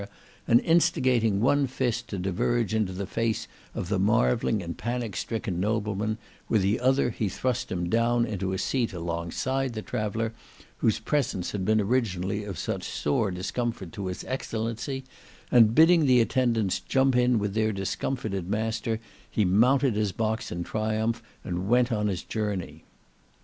and instigating one fist to diverge into the face of the marvelling and panic stricken nobleman, with the other he thrust him down into a seat alongside the traveller, whose presence had been originally of such sore discomfort to his excellency, and bidding the attendants jump in with their discomfited master, he mounted his box in triumph, and went on his journey."